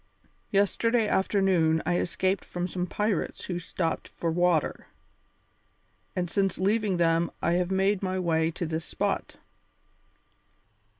Yesterday afternoon I escaped from some pirates who stopped for water, and since leaving them I have made my way to this spot."